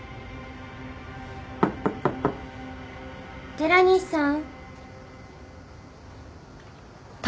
寺西さん？